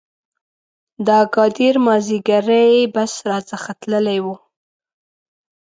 د اګادیر مازیګری بس را څخه تللی و.